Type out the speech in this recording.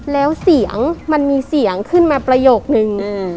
แล้วเสียงมันมีเสียงขึ้นมาประโยคนึง